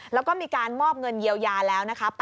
แล้วก็มีการมอบเงินเยียวยาแล้วนะครับ